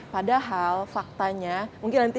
padahal faktanya mungkin nanti